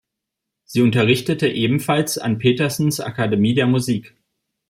Sie unterrichtete ebenfalls an Petersens Akademie der Musik.